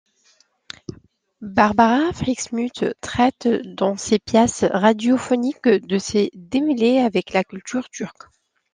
Barbara Frischmuth traite dans ses pièces radiophoniques de ses démêlés avec la culture turque.